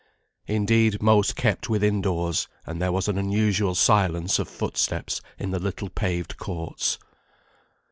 Indeed, most kept within doors; and there was an unusual silence of footsteps in the little paved courts.